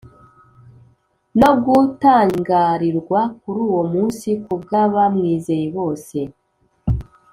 no gutangarirwa kuri uwo munsi ku bw abamwizeye bose